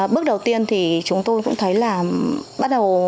bước đầu tiên thì chúng tôi cũng thấy là bắt đầu